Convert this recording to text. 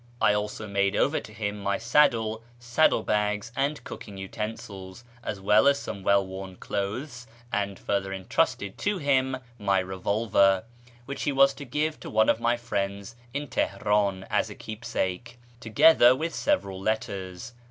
I also made over to him my saddle, saddle bags, and cooking utensils, as well as some well worn clothes, and further entrusted to him my revolver, which he was to give to one of my friends in Teheran as a keepsake, together with several letters.